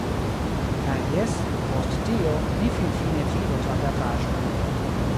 Kaj jes, post tio, ni finfine vidos la teatraĵon